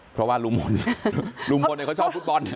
เพราะว่าลุงพลลุงพลเนี่ยเขาชอบฟุตบอล